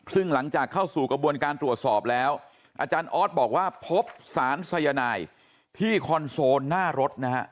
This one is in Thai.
ซึ่งหลังจากเข้าสู่กระบวนการตรวจสอบแล้วอาจารย์ออสบอกว่าพบสารสายนายที่คอนโซลหน้ารถนะฮะ